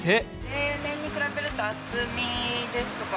例年に比べると、厚みですとか、